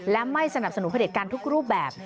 และไม่สนับสนุนผลิตการทุกรูปแบบ